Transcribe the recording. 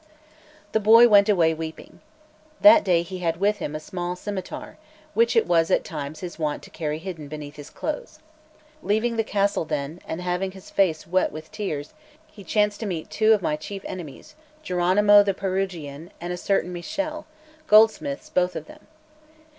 The boy went away weeping. That day he had with him a small scimitar, which it was at times his wont to carry hidden beneath his clothes. Leaving the castle then, and having his face wet with tears, he chanced to meet two of my chief enemies, Jeronimo the Perugian, and a certain Michele, goldsmiths both of them.